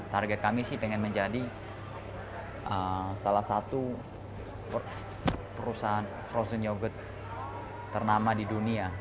target kami sih pengen menjadi salah satu perusahaan frozen yogurt ternama di dunia